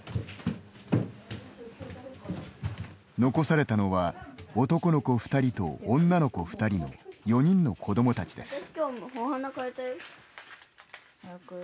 残されたのは男の子２人と女の子２人の４人の子どもたちです。